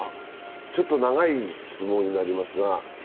ちょっと長い相撲になりますが。